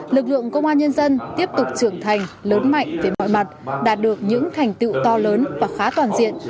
lực lượng công an nhân dân tiếp tục trưởng thành lớn mạnh về mọi mặt đạt được những thành tựu to lớn và khá toàn diện